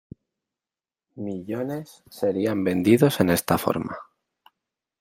Millones serían vendidos en esta forma.